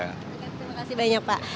terima kasih banyak pak